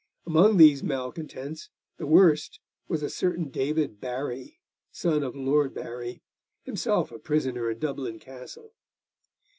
Among these malcontents the worst was a certain David Barry, son of Lord Barry, himself a prisoner in Dublin Castle.